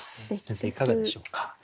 先生いかがでしょうか？